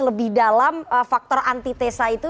lebih dalam faktor antitesa itu